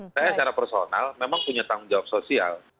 saya secara personal memang punya tanggung jawab sosial